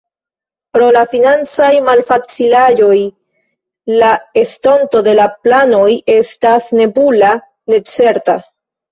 Pro la financaj malfacilaĵoj, la estonto de la planoj estas nebula, necerta.